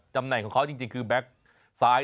แห่ของเขาจริงคือแบ็คซ้าย